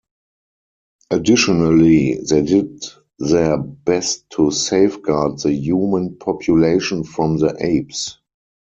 Additionally, they did their best to safeguard the human population from the apes.